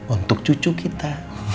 untuk cucu kita